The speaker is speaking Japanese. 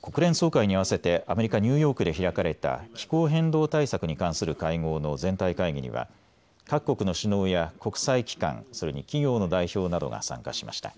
国連総会に合わせてアメリカ・ニューヨークで開かれた気候変動対策に関する会合の全体会議には各国の首脳や国際機関、それに企業の代表などが参加しました。